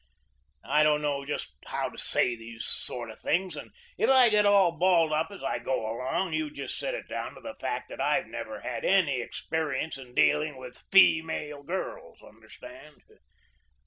I don't know just how to say these sort of things, and if I get all balled up as I go along, you just set it down to the fact that I've never had any experience in dealing with feemale girls; understand?